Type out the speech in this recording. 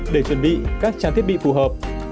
để chuẩn bị các trang thiết bị phù hợp